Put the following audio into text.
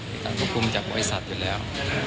มีการควบคุมจากบริษัทอยู่แล้ว